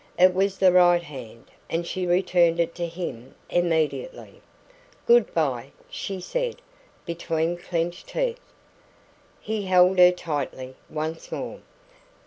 It was the right hand, and she returned it to him immediately. "Good bye!" she said, between clenched teeth. He held her tightly once more.